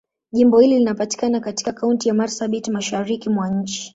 Jimbo hili linapatikana katika Kaunti ya Marsabit, Mashariki mwa nchi.